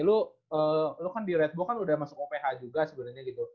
lu lo kan di red gue kan udah masuk oph juga sebenarnya gitu